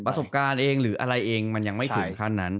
ประสบการณ์เองหรืออะไรเองมันยังไม่ถึงขั้นนั้น